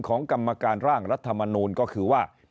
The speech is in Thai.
กรรมการร่างรัฐมนูลก็คือว่า